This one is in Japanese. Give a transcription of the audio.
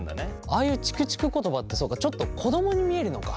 ああいうチクチク言葉ってそうかちょっと子どもに見えるのか。